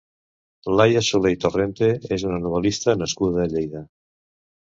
Laia Soler i Torrente és una novel·lista nascuda a Lleida.